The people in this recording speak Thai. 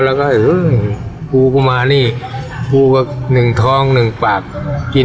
เราจะอย่าอย่าปูค่ะ